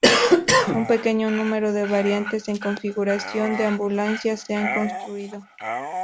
Un pequeño número de variantes en configuración de ambulancia se han construido.